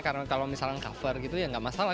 karena kalau misalnya cover gitu ya nggak masalah